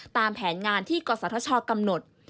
ตามแผนงานที่กษัตริย์ธชาติกำหนด